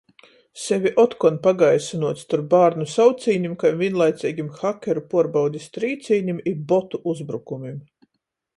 Sevi otkon pagaisynuot storp bārnu saucīnim kai vīnlaiceigim hakeru puorbaudis trīcīnim i botu uzbrukumim.